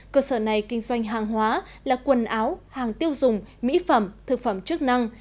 cơ sở này kinh doanh hàng hóa là quần áo hàng tiêu dùng mỹ phẩm thực phẩm chức năng